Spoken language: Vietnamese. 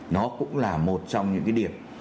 nó cũng là một trong những cái điểm